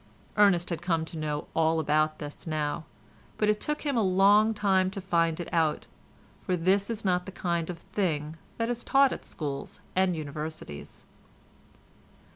Ernest has come to know all about this now, but it took him a long time to find it out, for this is not the kind of thing that is taught at schools and universities.